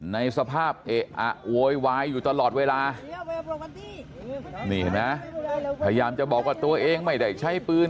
ในสภาพเอะอะโวยวายอยู่ตลอดเวลานี่เห็นไหมพยายามจะบอกว่าตัวเองไม่ได้ใช้ปืน